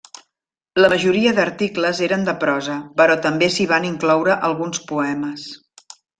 La majoria d'articles eren de prosa però també s'hi van incloure alguns poemes.